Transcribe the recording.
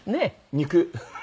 肉。